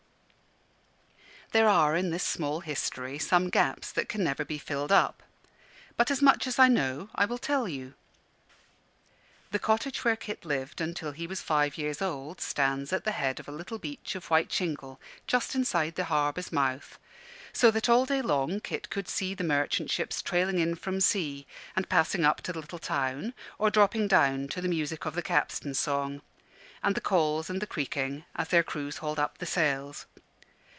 There are in this small history some gaps that can never be filled up; but as much as I know I will tell you. The cottage where Kit lived until he was five years old stands at the head of a little beach of white shingle, just inside the harbour's mouth, so that all day long Kit could see the merchant ships trailing in from sea, and passing up to the little town, or dropping down to the music of the capstan song, and the calls and the creaking, as their crews hauled up the sails.